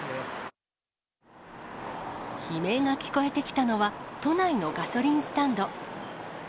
悲鳴が聞こえてきたのは、都内のガソリンスタンド。